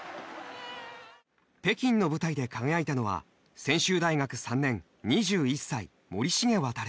北京の舞台で輝いたのは専修大学３年２１歳、森重航。